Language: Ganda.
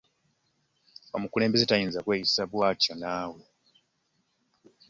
Omukulembeze tasobola kweyisa bwatyo naawe.